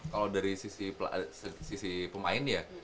kalau dari sisi pemain ya